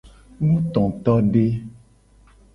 Nutotode.